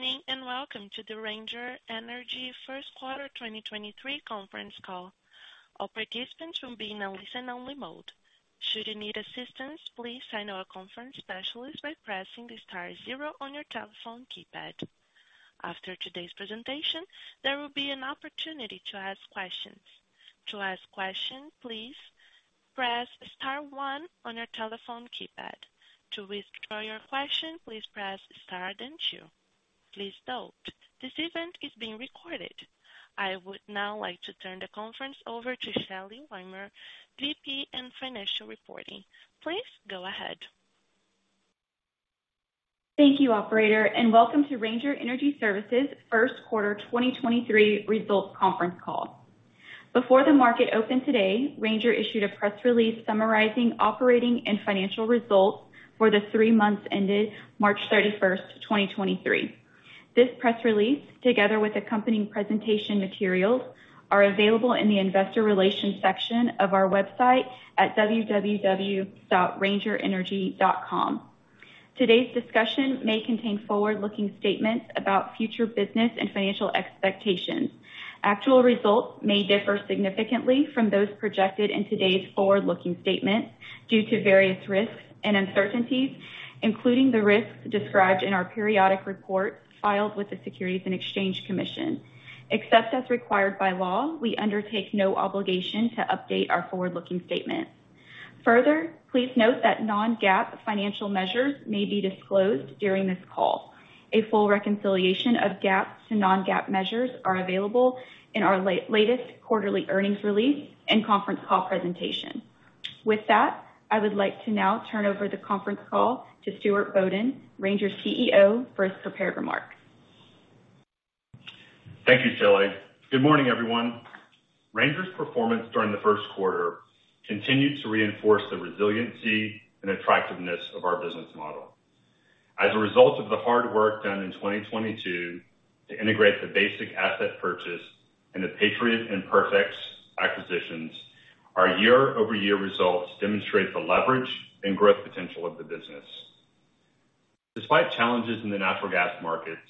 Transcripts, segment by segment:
Morning, and welcome to the Ranger Energy first quarter 2023 conference call. All participants will be in a listen-only mode. Should you need assistance, please sign our conference specialist by pressing the star zero on your telephone keypad. After today's presentation, there will be an opportunity to ask questions. To ask questions, please press star one on your telephone keypad. To withdraw your question, please press star then two. Please note, this event is being recorded. I would now like to turn the conference over to Shelley Weimer, VP and Financial Reporting. Please go ahead. Thank you, operator, and welcome to Ranger Energy Services first quarter 2023 results conference call. Before the market opened today, Ranger issued a press release summarizing operating and financial results for the three months ended March 31st, 2023. This press release, together with accompanying presentation materials, are available in the investor relations section of our website at www.rangerenergy.com. Today's discussion may contain forward-looking statements about future business and financial expectations. Actual results may differ significantly from those projected in today's forward-looking statements due to various risks and uncertainties, including the risks described in our periodic report filed with the Securities and Exchange Commission. Except as required by law, we undertake no obligation to update our forward-looking statement. Further, please note that non-GAAP financial measures may be disclosed during this call. A full reconciliation of GAAP to non-GAAP measures are available in our latest quarterly earnings release and conference call presentation. With that, I would like to now turn over the conference call to Stuart Bodden, Ranger's CEO, for his prepared remarks. Thank you, Shelley. Good morning, everyone. Ranger's performance during the first quarter continued to reinforce the resiliency and attractiveness of our business model. As a result of the hard work done in 2022 to integrate the Basic Energy Services asset purchase and the Patriot and PerfX acquisitions, our year-over-year results demonstrate the leverage and growth potential of the business. Despite challenges in the natural gas markets,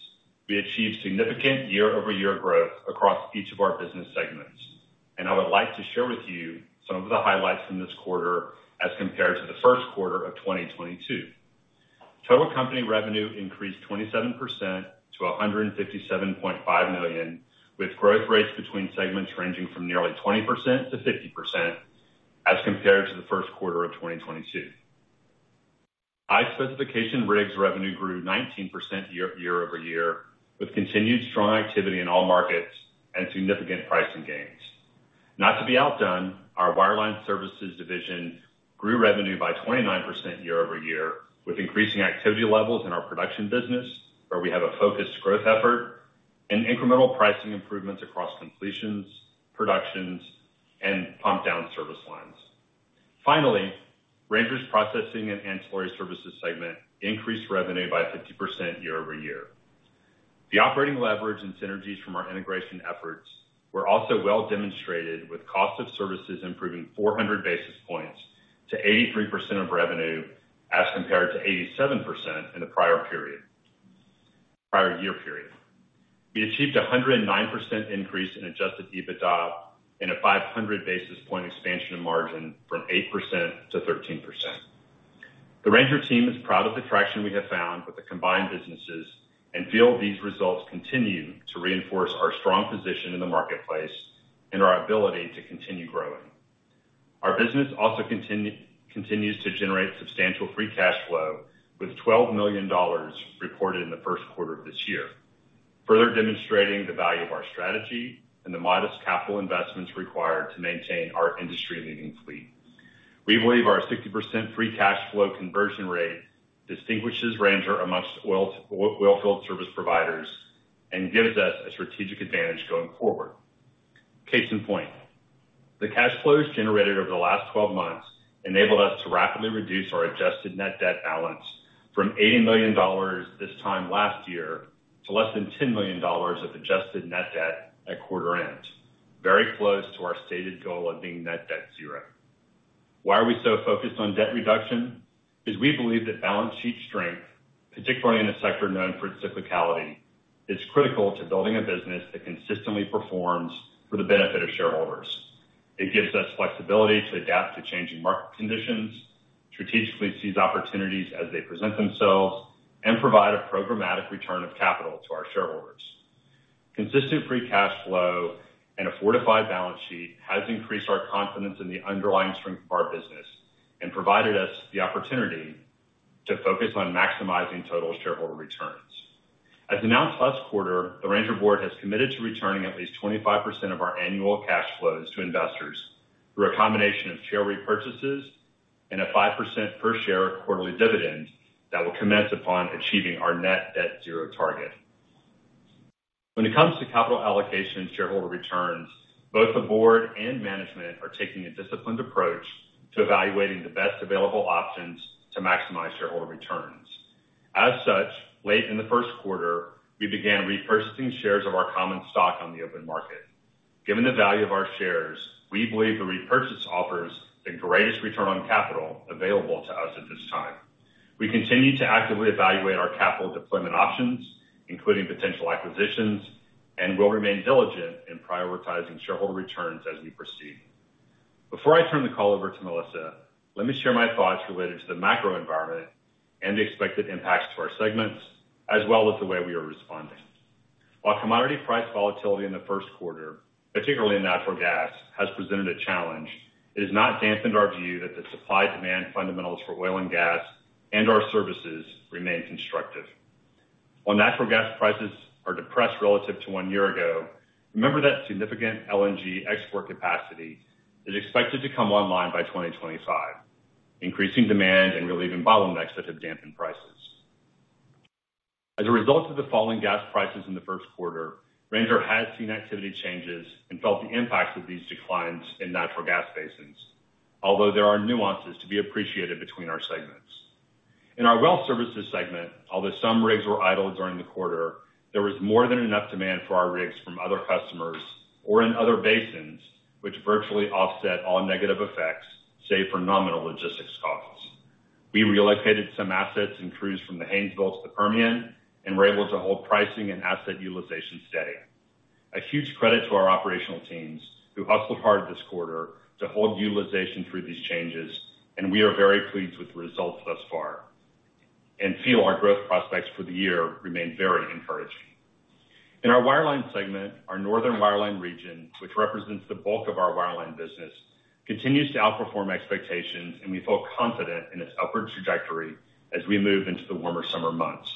we achieved significant year-over-year growth across each of our business segments, and I would like to share with you some of the highlights from this quarter as compared to the first quarter of 2022. Total company revenue increased 27% to $157.5 million, with growth rates between segments ranging from nearly 20% to 50% as compared to the first quarter of 2022. High Specification Rigs revenue grew 19% year-over-year, with continued strong activity in all markets and significant pricing gains. Not to be outdone, our Wireline Services division grew revenue by 29% year-over-year, with increasing activity levels in our production business, where we have a focused growth effort and incremental pricing improvements across completions, productions, and pump down service lines. Finally, Ranger's Processing Solutions and Ancillary Services segment increased revenue by 50% year-over-year. The operating leverage and synergies from our integration efforts were also well demonstrated with cost of services improving 400 basis points to 83% of revenue as compared to 87% in the prior year period. We achieved a 109% increase in Adjusted EBITDA and a 500 basis point expansion in margin from 8% to 13%. The Ranger team is proud of the traction we have found with the combined businesses and feel these results continue to reinforce our strong position in the marketplace and our ability to continue growing. Our business also continues to generate substantial Free Cash Flow with $12 million reported in the first quarter of this year, further demonstrating the value of our strategy and the modest capital investments required to maintain our industry-leading fleet. We believe our 60% Free Cash Flow conversion rate distinguishes Ranger amongst oilfield service providers and gives us a strategic advantage going forward. Case in point, the cash flows generated over the last 12 months enabled us to rapidly reduce our adjusted net debt balance from $80 million this time last year to less than $10 million of adjusted net debt at quarter end, very close to our stated goal of being net debt zero. Why are we so focused on debt reduction? Is we believe that balance sheet strength, particularly in a sector known for its cyclicality, is critical to building a business that consistently performs for the benefit of shareholders. It gives us flexibility to adapt to changing market conditions, strategically seize opportunities as they present themselves, and provide a programmatic return of capital to our shareholders. Consistent Free Cash Flow and a fortified balance sheet has increased our confidence in the underlying strength of our business and provided us the opportunity to focus on maximizing total shareholder returns. As announced last quarter, the Ranger board has committed to returning at least 25% of our annual cash flows to investors through a combination of share repurchases and a 5% per share quarterly dividend that will commence upon achieving our net debt zero target. When it comes to capital allocation and shareholder returns, both the board and management are taking a disciplined approach to evaluating the best available options to maximize shareholder returns. As such, late in the first quarter, we began repurchasing shares of our common stock on the open market. Given the value of our shares, we believe the repurchase offers the greatest return on capital available to us at this time. We continue to actively evaluate our capital deployment options, including potential acquisitions, and will remain diligent in prioritizing shareholder returns as we proceed. Before I turn the call over to Melissa, let me share my thoughts related to the macro environment and the expected impacts to our segments, as well as the way we are responding. While commodity price volatility in the first quarter, particularly in natural gas, has presented a challenge, it has not dampened our view that the supply-demand fundamentals for oil and gas and our services remain constructive. While natural gas prices are depressed relative to one year ago, remember that significant LNG export capacity is expected to come online by 2025, increasing demand and relieving bottlenecks that have dampened prices. As a result of the falling gas prices in the first quarter, Ranger has seen activity changes and felt the impacts of these declines in natural gas basins, although there are nuances to be appreciated between our segments. In our Well Services segment, although some rigs were idled during the quarter, there was more than enough demand for our rigs from other customers or in other basins, which virtually offset all negative effects, save for nominal logistics costs. We relocated some assets and crews from the Haynesville to Permian and were able to hold pricing and asset utilization steady. A huge credit to our operational teams, who hustled hard this quarter to hold utilization through these changes, and we are very pleased with the results thus far and feel our growth prospects for the year remain very encouraging. In our Wireline segment, our northern Wireline region, which represents the bulk of our Wireline business, continues to outperform expectations, and we feel confident in its upward trajectory as we move into the warmer summer months.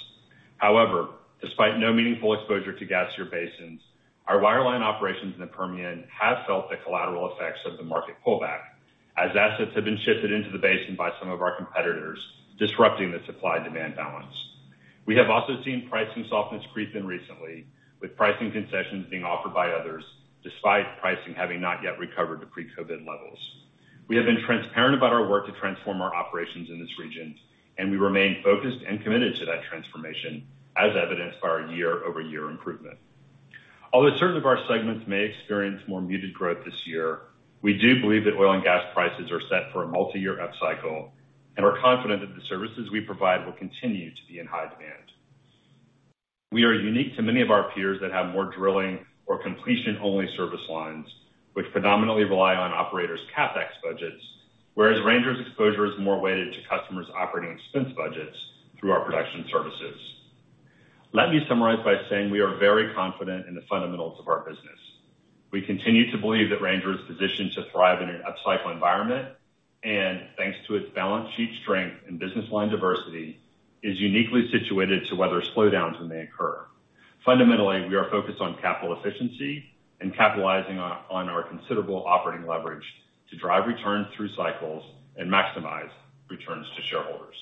However, despite no meaningful exposure to gas year basins, our wireline operations in the Permian have felt the collateral effects of the market pullback as assets have been shifted into the basin by some of our competitors, disrupting the supply-demand balance. We have also seen pricing softness creep in recently, with pricing concessions being offered by others despite pricing having not yet recovered to pre-COVID levels. We have been transparent about our work to transform our operations in this region, and we remain focused and committed to that transformation, as evidenced by our year-over-year improvement. Although certain of our segments may experience more muted growth this year, we do believe that oil and gas prices are set for a multiyear upcycle and are confident that the services we provide will continue to be in high demand. We are unique to many of our peers that have more drilling or completion-only service lines, which phenomenally rely on operators' CapEx budgets, whereas Ranger's exposure is more weighted to customers' operating expense budgets through our production services. Let me summarize by saying we are very confident in the fundamentals of our business. We continue to believe that Ranger is positioned to thrive in an upcycle environment, and thanks to its balance sheet strength and business line diversity, is uniquely situated to weather slowdowns when they occur. Fundamentally, we are focused on capital efficiency and capitalizing on our considerable operating leverage to drive returns through cycles and maximize returns to shareholders.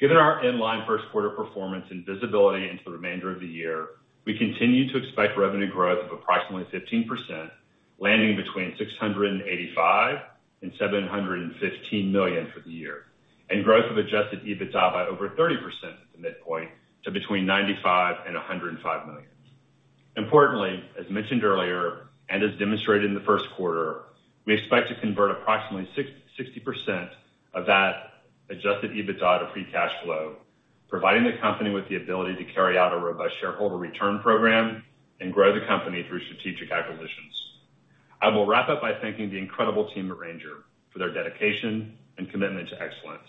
Given our inline first quarter performance and visibility into the remainder of the year, we continue to expect revenue growth of approximately 15%, landing between $685 million and $715 million for the year, and growth of Adjusted EBITDA by over 30% at the midpoint to between $95 million and $105 million. Importantly, as mentioned earlier, and as demonstrated in the first quarter, we expect to convert approximately 60% of that Adjusted EBITDA to Free Cash Flow, providing the company with the ability to carry out a robust shareholder return program and grow the company through strategic acquisitions. I will wrap up by thanking the incredible team at Ranger for their dedication and commitment to excellence.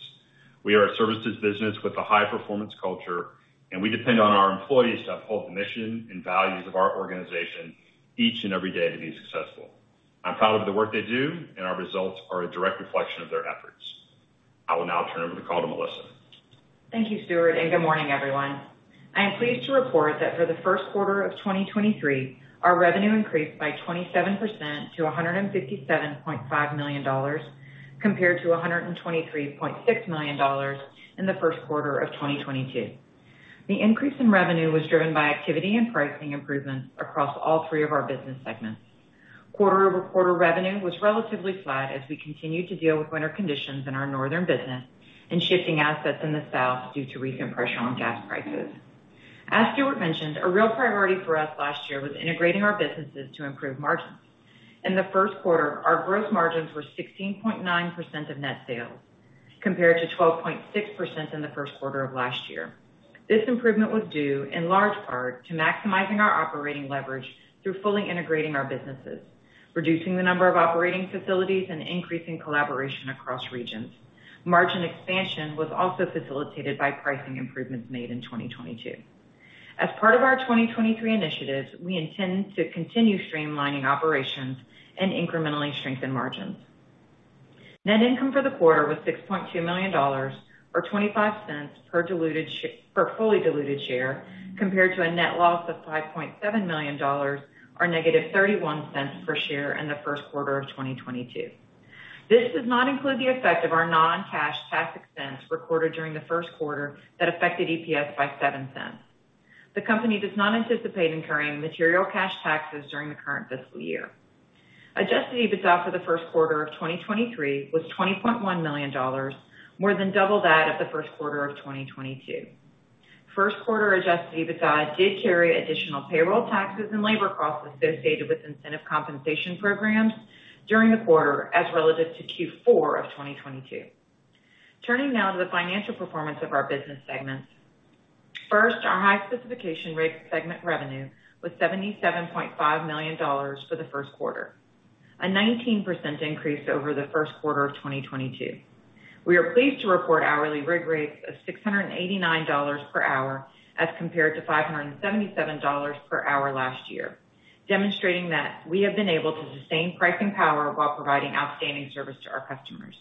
We are a services business with a high-performance culture, and we depend on our employees to uphold the mission and values of our organization each and every day to be successful. I'm proud of the work they do, and our results are a direct reflection of their efforts. I will now turn over the call to Melissa. Thank you, Stuart, and good morning, everyone. I am pleased to report that for the first quarter of 2023, our revenue increased by 27% to $157.5 million, compared to $123.6 million in the first quarter of 2022. The increase in revenue was driven by activity and pricing improvements across all three of our business segments. Quarter-over-quarter revenue was relatively flat as we continued to deal with winter conditions in our northern business and shifting assets in the south due to recent pressure on gas prices. As Stuart mentioned, a real priority for us last year was integrating our businesses to improve margins. In the first quarter, our gross margins were 16.9% of net sales, compared to 12.6% in the first quarter of last year. This improvement was due in large part to maximizing our operating leverage through fully integrating our businesses, reducing the number of operating facilities, and increasing collaboration across regions. Margin expansion was also facilitated by pricing improvements made in 2022. As part of our 2023 initiatives, we intend to continue streamlining operations and incrementally strengthen margins. Net income for the quarter was $6.2 million, or $0.25 per fully diluted share, compared to a net loss of $5.7 million, or -$0.31 per share in the first quarter of 2022. This does not include the effect of our non-cash tax expense recorded during the first quarter that affected EPS by $0.07. The company does not anticipate incurring material cash taxes during the current fiscal year. Adjusted EBITDA for the first quarter of 2023 was $20.1 million, more than double that of the first quarter of 2022. First quarter Adjusted EBITDA did carry additional payroll taxes and labor costs associated with incentive compensation programs during the quarter as relative to Q4 of 2022. Turning now to the financial performance of our business segments. First, our High Specification Rig segment revenue was $77.5 million for the first quarter, a 19% increase over the first quarter of 2022. We are pleased to report hourly rig rates of $689 per hour as compared to $577 per hour last year, demonstrating that we have been able to sustain pricing power while providing outstanding service to our customers.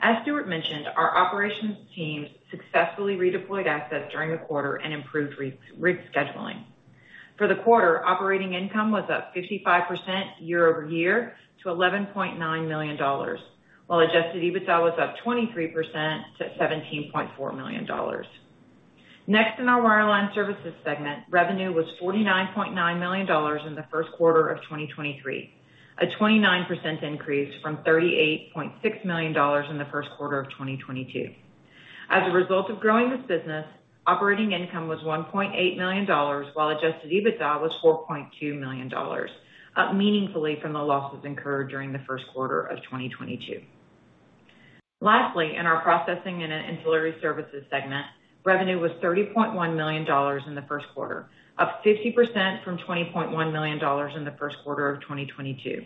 As Stuart mentioned, our operations teams successfully redeployed assets during the quarter and improved re-rig scheduling. For the quarter, operating income was up 55% year-over-year to $11.9 million, while Adjusted EBITDA was up 23% to $17.4 million. Next, in our Wireline Services segment, revenue was $49.9 million in the first quarter of 2023, a 29% increase from $38.6 million in the first quarter of 2022. As a result of growing this business, operating income was $1.8 million, while Adjusted EBITDA was $4.2 million, up meaningfully from the losses incurred during the first quarter of 2022. In our Processing Solutions and Ancillary Services segment, revenue was $30.1 million in the first quarter, up 50% from $20.1 million in the first quarter of 2022.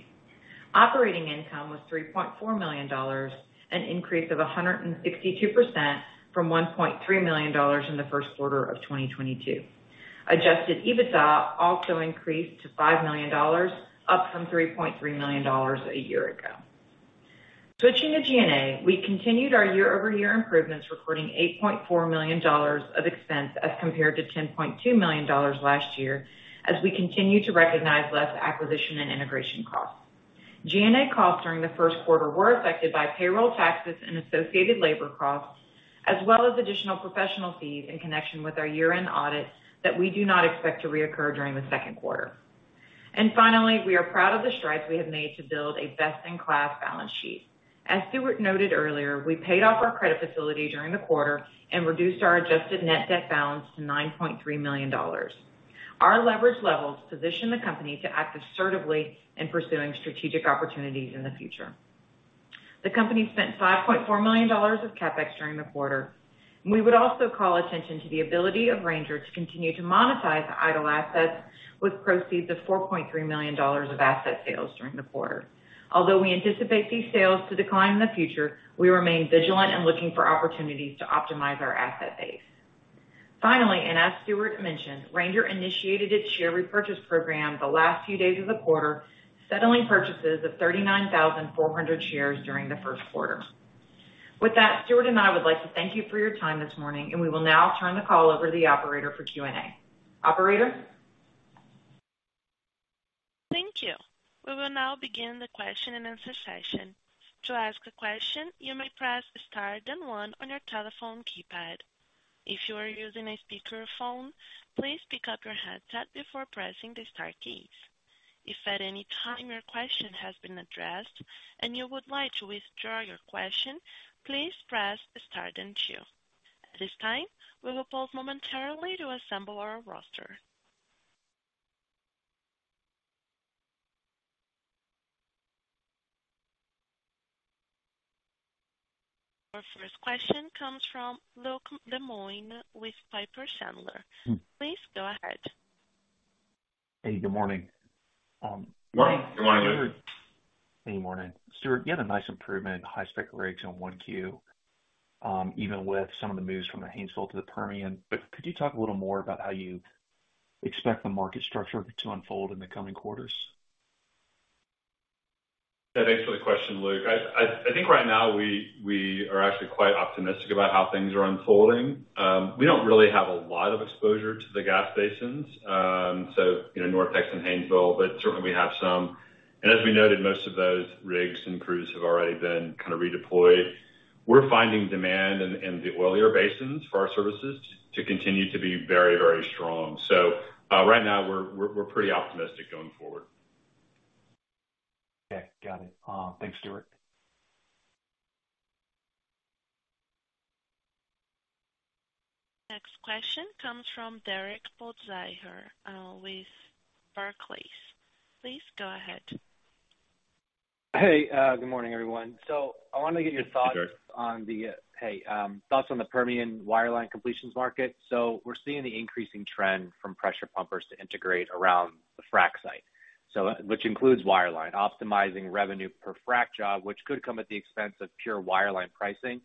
Operating income was $3.4 million, an increase of 162% from $1.3 million in the first quarter of 2022. Adjusted EBITDA also increased to $5 million, up from $3.3 million a year ago. Switching to SG&A, we continued our year-over-year improvements, recording $8.4 million of expense as compared to $10.2 million last year, as we continue to recognize less acquisition and integration costs. GA costs during the first quarter were affected by payroll taxes and associated labor costs, as well as additional professional fees in connection with our year-end audit that we do not expect to reoccur during the second quarter. Finally, we are proud of the strides we have made to build a best in class balance sheet. As Stuart noted earlier, we paid off our credit facility during the quarter and reduced our adjusted net debt balance to $9.3 million. Our leverage levels position the company to act assertively in pursuing strategic opportunities in the future. The company spent $5.4 million of CapEx during the quarter. We would also call attention to the ability of Ranger to continue to monetize the idle assets with proceeds of $4.3 million of asset sales during the quarter. Although we anticipate these sales to decline in the future, we remain vigilant in looking for opportunities to optimize our asset base. Finally, As Stuart mentioned, Ranger initiated its share repurchase program the last few days of the quarter, settling purchases of 39,400 shares during the first quarter. With that, Stuart and I would like to thank you for your time this morning, We will now turn the call over to the operator for Q&A. Operator? Thank you. We will now begin the question and answer session. To ask a question, you may press star then one on your telephone keypad. If you are using a speakerphone, please pick up your headset before pressing the star keys. If at any time your question has been addressed and you would like to withdraw your question, please press star then two. At this time, we will pause momentarily to assemble our roster. Our first question comes from Luke Lemoine with Piper Sandler. Please go ahead. Hey, good morning. Good morning. Hey, morning. Stuart, you had a nice improvement in High Spec Rigs in 1Q, even with some of the moves from the Haynesville to the Permian. Could you talk a little more about how you expect the market structure to unfold in the coming quarters? Yeah, thanks for the question, Luke. I think right now we are actually quite optimistic about how things are unfolding. We don't really have a lot of exposure to the gas basins, so, you know, North Texas and Haynesville, but certainly we have some. As we noted, most of those rigs and crews have already been kind of redeployed. We're finding demand in the oilier basins for our services to continue to be very, very strong. Right now we're pretty optimistic going forward. Okay, got it. Thanks, Stuart. Next question comes from Derek Podhaizer with Barclays. Please go ahead. Hey, good morning, everyone. I wanted to get your thoughts. Hey, Derek. Thoughts on the Permian wireline completions market. We're seeing the increasing trend from pressure pumpers to integrate around the frac site, which includes wireline, optimizing revenue per frac job, which could come at the expense of pure wireline pricing.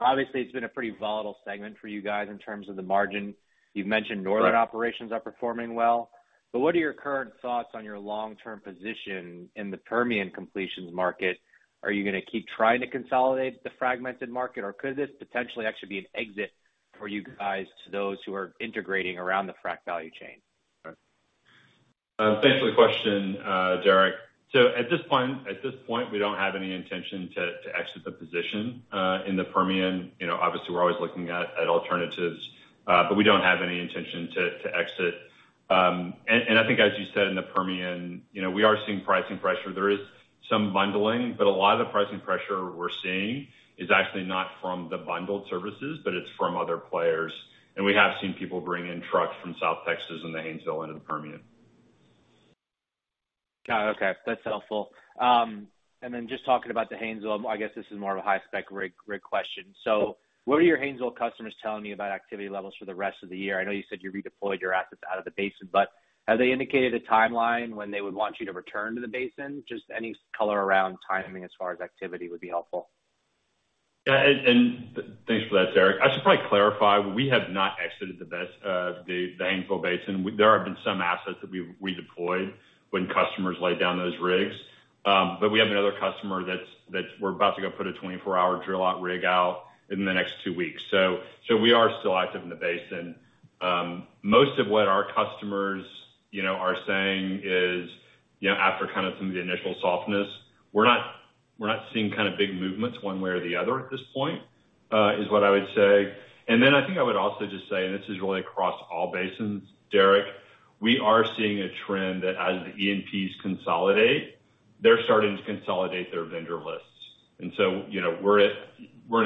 Obviously, it's been a pretty volatile segment for you guys in terms of the margin. You've mentioned northern operations are performing well, what are your current thoughts on your long-term position in the Permian completions market? Are you gonna keep trying to consolidate the fragmented market, or could this potentially actually be an exit for you guys to those who are integrating around the frac value chain? Thanks for the question, Derek. At this point At this point, we don't have any intention to exit the position in the Permian. You know, obviously, we're always looking at alternatives, but we don't have any intention to exit. I think as you said, in the Permian, you know, we are seeing pricing pressure. There is some bundling, but a lot of the pricing pressure we're seeing is actually not from the bundled services, but it's from other players. We have seen people bring in trucks from South Texas and the Haynesville into the Permian. Got it. Okay. That's helpful. Then just talking about the Haynesville, I guess this is more of a high-spec rig question. What are your Haynesville customers telling you about activity levels for the rest of the year? I know you said you redeployed your assets out of the basin, have they indicated a timeline when they would want you to return to the basin? Any color around timing as far as activity would be helpful. Yeah. Thanks for that, Derek Podhaizer. I should probably clarify, we have not exited the Haynesville Basin. There have been some assets that we've redeployed when customers laid down those rigs. We have another customer that's we're about to go put a 24-hour drill-out rig out in the next two weeks. We are still active in the basin. Most of what our customers, you know, are saying is, you know, after kind of some of the initial softness, we're not, we're not seeing kind of big movements one way or the other at this point, is what I would say. I think I would also just say, and this is really across all basins, Derek Podhaizer, we are seeing a trend that as the E&Ps consolidate, they're starting to consolidate their vendor lists. You know, we're in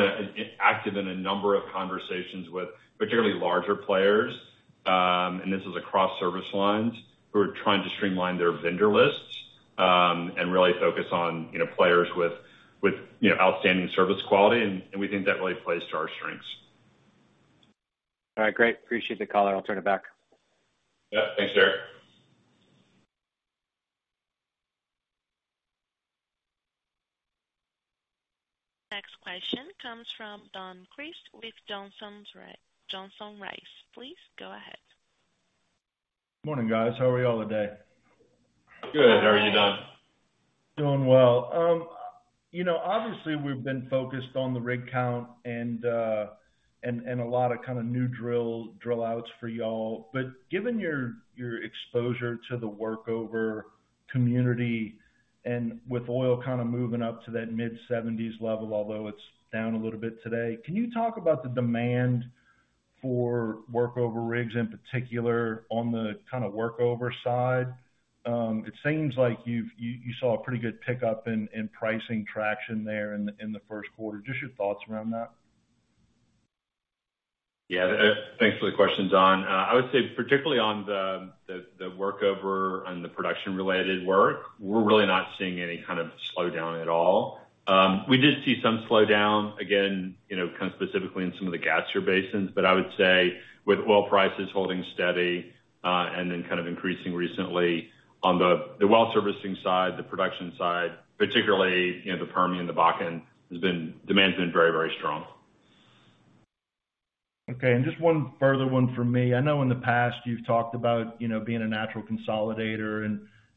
an active number of conversations with particularly larger players, and this is across service lines. We're trying to streamline their vendor lists, and really focus on, you know, players with, you know, outstanding service quality, and we think that really plays to our strengths. All right. Great. Appreciate the color. I'll turn it back. Yeah. Thanks, Derek. Next question comes from Don Crist with Johnson Rice. Please go ahead. Morning, guys. How are we all today? Good. How are you, Don? Doing well. You know, obviously, we've been focused on the rig count and a lot of kinda new drill-outs for y'all. Given your exposure to the workover community and with oil kinda moving up to that mid-70s level, although it's down a little bit today, can you talk about the demand for workover rigs, in particular on the kinda workover side? It seems like you saw a pretty good pickup in pricing traction there in the first quarter. Just your thoughts around that. Yeah. Thanks for the question, Don. I would say particularly on the, the workover and the production-related work, we're really not seeing any kind of slowdown at all. We did see some slowdown, again, you know, kind of specifically in some of the gas basins. I would say with oil prices holding steady, and then kind of increasing recently on the well servicing side, the production side, particularly, you know, the Permian and the Bakken, demand's been very, very strong. Okay. Just one further one for me. I know in the past you've talked about, you know, being a natural consolidator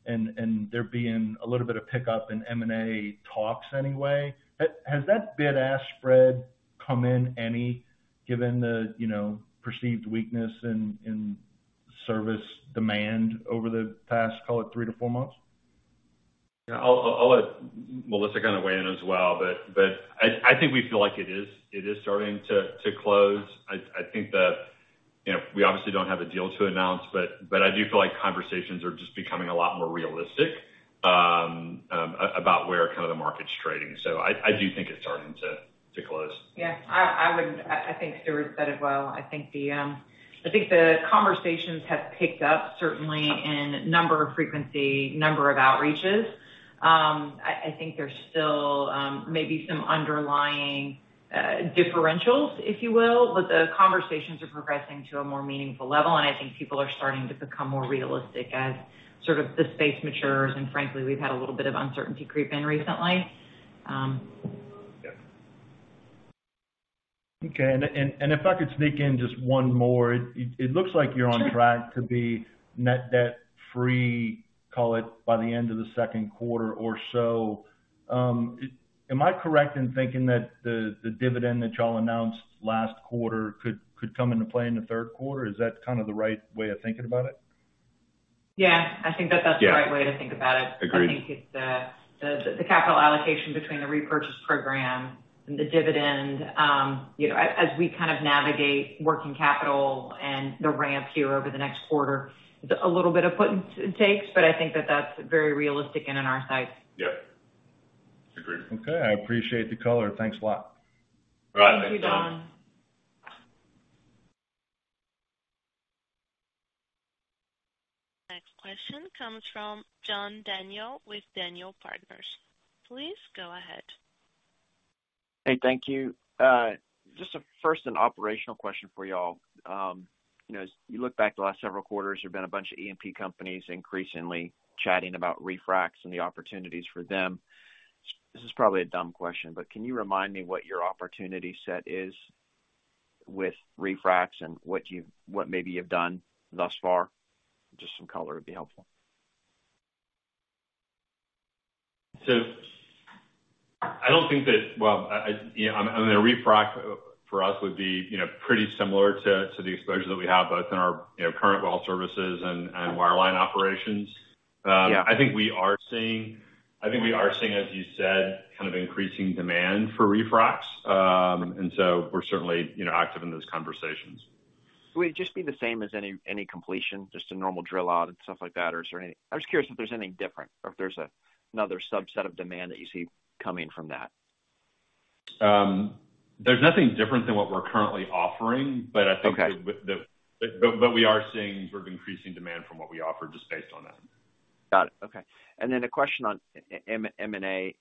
and there being a little bit of pickup in M&A talks anyway. Has that bid-ask spread come in any given the, you know, perceived weakness in service demand over the past, call it three to four months? Yeah. I'll let Melissa kind of weigh in as well. I think we feel like it is starting to close. I think that, you know, we obviously don't have a deal to announce, but I do feel like conversations are just becoming a lot more realistic about where kind of the market's trading. I do think it's starting to close. Yeah. I think Stuart said it well. I think the conversations have picked up certainly in number, frequency, number of outreaches. I think there's still maybe some underlying differentials, if you will, but the conversations are progressing to a more meaningful level, and I think people are starting to become more realistic as sort of the space matures. Frankly, we've had a little bit of uncertainty creep in recently. Yeah. Okay. If I could sneak in just one more. It looks like. Sure. On track to be net debt free, call it by the end of the second quarter or so. Am I correct in thinking that the dividend that y'all announced last quarter could come into play in the third quarter? Is that kind of the right way of thinking about it? Yeah. I think that that's the right way to think about it. Yeah. Agreed. I think it's the capital allocation between the repurchase program and the dividend. you know, as we kind of navigate working capital and the ramp here over the next quarter, a little bit of putting it takes, but I think that that's very realistic and in our sights. Yeah. Agreed. Okay. I appreciate the color. Thanks a lot. All right. Thanks, Don. Thank you, Don. Next question comes from John Daniel with Daniel Partners. Please go ahead. Hey. Thank you. Just a first an operational question for y'all. You know, as you look back the last several quarters, there's been a bunch of E&P companies increasingly chatting about refracs and the opportunities for them. This is probably a dumb question, but can you remind me what your opportunity set is with refracs and what maybe you've done thus far? Just some color would be helpful. I don't think. Well, I, you know, I mean, a refrac for us would be, you know, pretty similar to the exposure that we have both in our, you know, current well services and wireline operations. Yeah. I think we are seeing, as you said, kind of increasing demand for refracs. We're certainly, you know, active in those conversations. Would it just be the same as any completion, just a normal drill out and stuff like that? I'm just curious if there's anything different or if there's another subset of demand that you see coming from that. There's nothing different than what we're currently offering. Okay. I think the But we are seeing sort of increasing demand from what we offer just based on that. Got it. Okay. A question on M&A.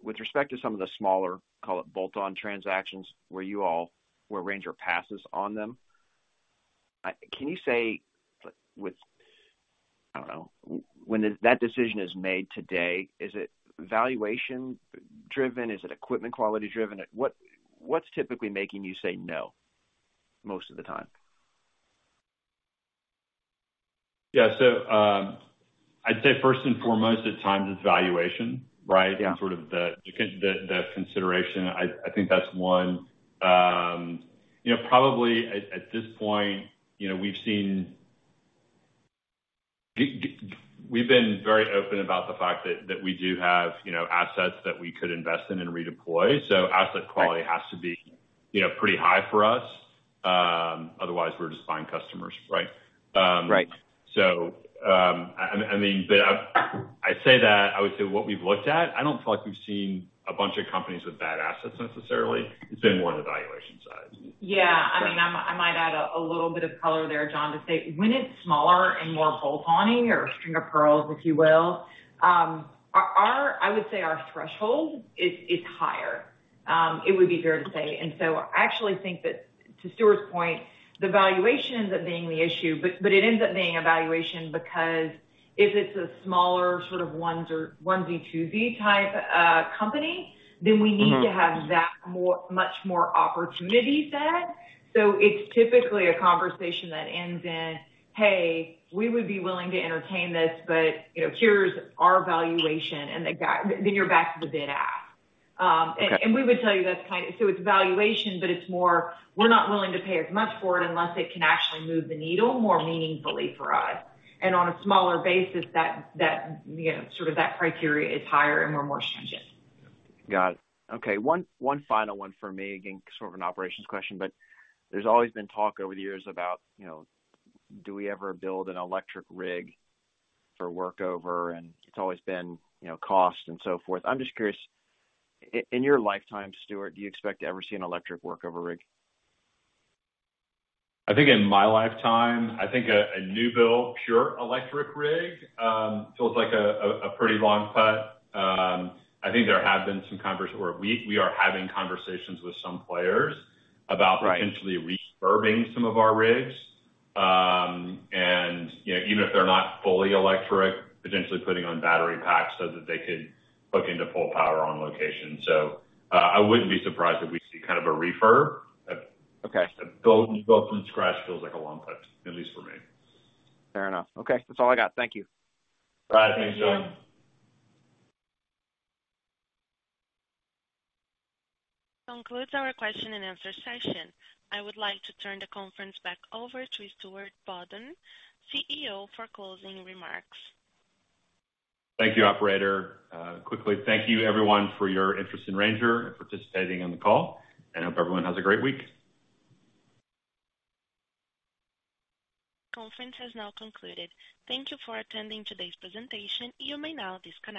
With respect to some of the smaller, call it bolt-on transactions, where Ranger passes on them, can you say with, I don't know, when that decision is made today, is it valuation driven? Is it equipment quality driven? What's typically making you say no most of the time? Yeah. I'd say first and foremost, at times it's valuation, right? Yeah. Sort of the consideration. I think that's one. You know, probably at this point, you know, we've seen. We've been very open about the fact that we do have, you know, assets that we could invest in and redeploy. Right. Asset quality has to be, you know, pretty high for us. Otherwise we're just buying customers, right? Right. I mean, I would say what we've looked at, I don't feel like we've seen a bunch of companies with bad assets necessarily. It's been more on the valuation side. Yeah. I mean, I might add a little bit of color there, John, to say when it's smaller and more bolt-oning or string of pearls, if you will, I would say our threshold is higher, it would be fair to say. I actually think that to Stuart's point, the valuation ends up being the issue. It ends up being a valuation because if it's a smaller sort of ones or onesie-twoosie type company- Mm-hmm. We need to have that more, much more opportunity set. It's typically a conversation that ends in, "Hey, we would be willing to entertain this, but, you know, here's our valuation," then you're back to the bid ask. Okay. It's valuation, but it's more, we're not willing to pay as much for it unless it can actually move the needle more meaningfully for us. On a smaller basis that, you know, sort of that criteria is higher and we're more stringent. Got it. Okay, one final one for me. Again, sort of an operations question, but there's always been talk over the years about, you know, do we ever build an electric rig for work over? It's always been, you know, cost and so forth. I'm just curious, in your lifetime, Stuart, do you expect to ever see an electric work over rig? I think in my lifetime, I think a new build, pure electric rig, feels like a pretty long cut. We are having conversations with some players about. Right. Potentially refurbing some of our rigs. You know, even if they're not fully electric, potentially putting on battery packs so that they could hook into full power on location. I wouldn't be surprised if we see kind of a refurb. Okay. A build from scratch feels like a long shot, at least for me. Fair enough. Okay. That's all I got. Thank you. All right. Thanks, John. Concludes our question and answer session. I would like to turn the conference back over to Stuart Bodden, CEO, for closing remarks. Thank you, operator. Quickly, thank you everyone for your interest in Ranger and participating on the call, and hope everyone has a great week. Conference has now concluded. Thank you for attending today's presentation. You may now disconnect.